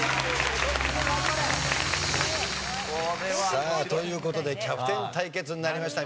さあという事でキャプテン対決になりました。